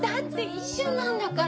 一瞬なんだから。